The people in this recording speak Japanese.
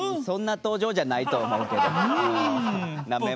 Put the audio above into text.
そんな登場じゃないと思うけど。